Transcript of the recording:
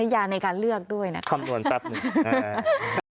ยาในการเลือกด้วยนะคะคำนวณแป๊บหนึ่ง